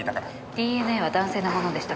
ＤＮＡは男性のものでした。